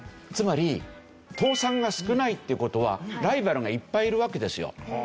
つまり倒産が少ないっていう事はライバルがいっぱいいるわけですよ。